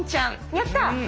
やった！